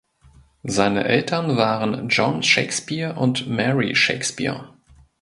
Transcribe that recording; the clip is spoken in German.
Seine Eltern waren John Shakespeare und Mary Shakespeare.